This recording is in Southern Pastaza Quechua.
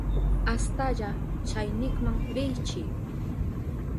Astalla chaynikman riychi.